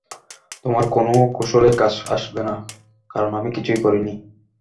তোমার কোনও কৌশলই কাজে আসবে না কারণ আমি কিছুই করিনি!